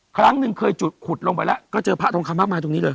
ครั้งหนึ่งเคยจุดขุดลงไปแล้วก็เจอพระทองคำมากมายตรงนี้เลย